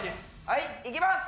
はいいきます。